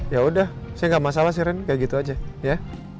yaudah saya gak masalah sih ren gak gitu aja ya